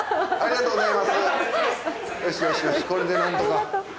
ありがとうございます。